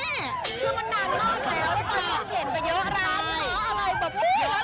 เห็นเยอะมาก